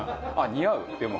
△似合うでも。